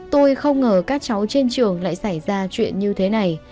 tôi không ngờ các cháu trên trường lại giải phóng